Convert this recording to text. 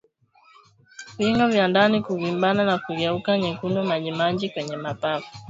Viungo vya ndani kuvimba na kugeuka vyekundu majimaji kwenye mapafu majimaji yasiyo na rangi